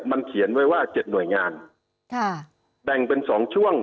มันเขียนไว้ว่า๗หน่วยงานแด่งเป็น๒ช่วง